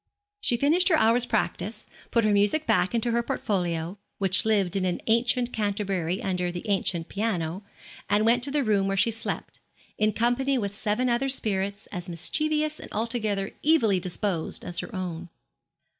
She finished her hour's practice, put her music back into her portfolio, which lived in an ancient canterbury under the ancient piano, and went to the room where she slept, in company with seven other spirits, as mischievous and altogether evilly disposed as her own.